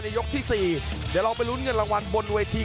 ยกที่๔เดี๋ยวเราไปลุ้นเงินรางวัลบนเวที